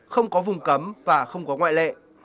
không có vùng cấm và không có ngoại lệ